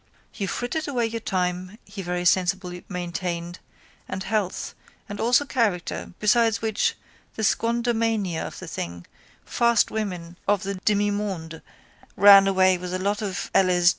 You frittered away your time, he very sensibly maintained, and health and also character besides which, the squandermania of the thing, fast women of the demimonde ran away with a lot of £. s.